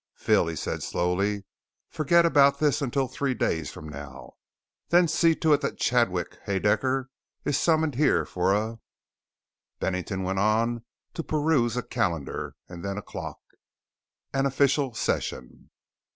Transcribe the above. "Phil," he said slowly, "forget about this until three days from now. Then see to it that Chadwick Haedaecker is summoned here for a " Bennington went on to peruse a calendar and then a clock, " an official session!"